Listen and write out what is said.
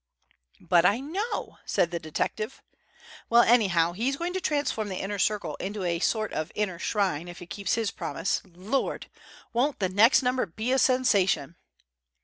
"But I know!" said the detective. "Well, anyhow, he's going to transform the Inner Circle into a sort of Inner Shrine, if he keeps his promise. Lord! Won't the next number be a sensation?"